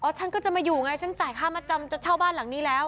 ฉันก็จะมาอยู่ไงฉันจ่ายค่ามัดจำจะเช่าบ้านหลังนี้แล้ว